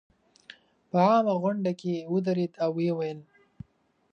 په عامه غونډه کې ودرېد او ویې ویل.